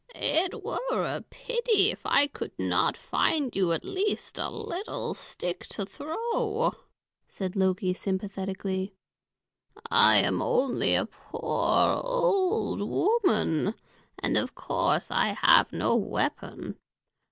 "It were a pity if I could not find you at least a little stick to throw," said Loki sympathetically. "I am only a poor old woman, and of course I have no weapon.